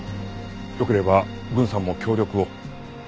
よければ郡さんも協力を。